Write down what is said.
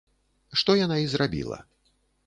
Што яна і зрабіла.